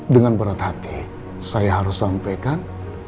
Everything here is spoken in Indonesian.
dengan berat hati saya harus sampaikan